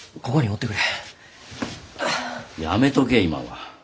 やめとけ今は。